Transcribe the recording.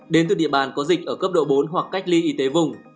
đến từ địa bàn có dịch ở cấp độ bốn hoặc cách ly y tế vùng